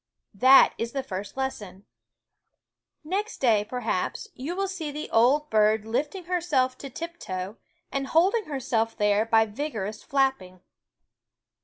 That is the first lesson. Next day, perhaps, you will see the old bird lifting herself to tiptoe and holding herself there by vigorous flapping.